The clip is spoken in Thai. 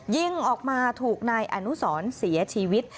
ยิงออกมาถูกนายอนุสรเสียชีวิต